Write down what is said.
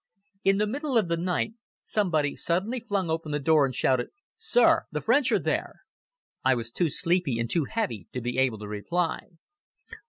In the middle of the night somebody suddenly flung open the door and shouted: "Sir, the French are there!" I was too sleepy and too heavy to be able to reply.